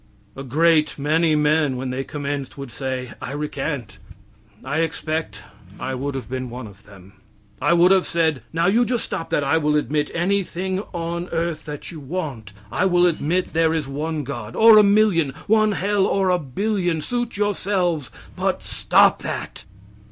A great many men, when they commenced, would say, "I recant." I expect I would have been one of them. I would have said, "Now you just stop that; I will admit anything on earth that you want. I will admit there is one god or a million, one hell or a billion; suit yourselves, but stop that."